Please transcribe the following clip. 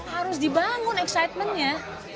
harus dibangun excitement nya